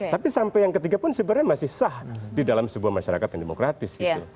tapi sampai yang ketiga pun sebenarnya masih sah di dalam sebuah masyarakat yang demokratis gitu